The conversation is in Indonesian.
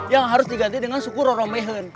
yang harus diganti dengan suku roromehin